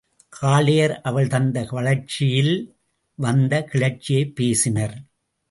காளையர் அவள் தந்த வளர்ச்சியில் வந்த கிளர்ச்சியைப் பேசினர்.